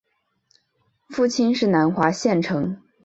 父亲是南华县丞。